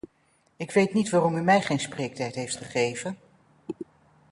Ik weet niet waarom u mij geen spreektijd hebt gegeven.